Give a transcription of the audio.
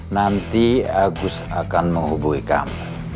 nanti agus akan menghubungi kami